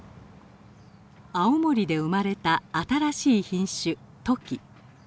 青森で生まれた新しい品種トキ。